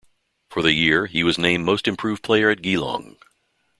For the year, he was named most improved player at Geelong.